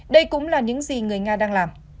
đây cũng là những gì người nga đang làm